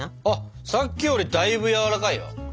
あっさっきよりだいぶやわらかいよ。